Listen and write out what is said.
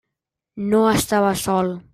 No estava sol.